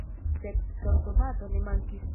Sed sortobato ne mankis.